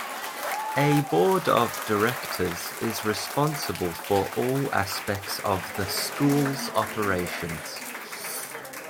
A Board of Directors is responsible for all aspects of the School's operations.